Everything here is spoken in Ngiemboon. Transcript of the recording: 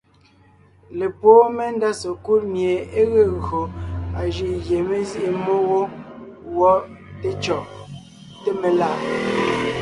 Lepwóon mendá sekúd mie é ge gÿo a jʉʼ gie mé zîʼi mmó wó gwɔ té cyɔ̀ʼ, té melà’.